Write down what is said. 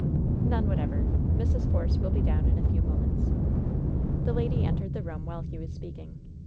"None whatever. Mrs. Force will be down in a few moments." The lady entered the room while he was speaking.